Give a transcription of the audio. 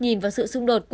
nhìn vào sự xung đột